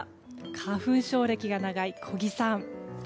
花粉症歴が長い小木さん。